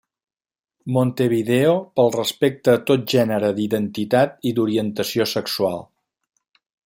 Montevideo pel respecte a tot gènere d'identitat i d'orientació sexual.